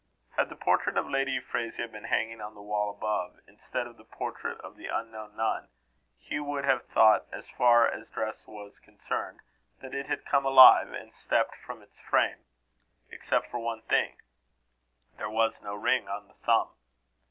Had the portrait of Lady Euphrasia been hanging on the wall above, instead of the portrait of the unknown nun, Hugh would have thought, as far as dress was concerned, that it had come alive, and stepped from its frame except for one thing: there was no ring on the thumb.